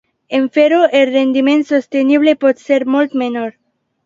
En fer-ho, el rendiment sostenible pot ser molt menor.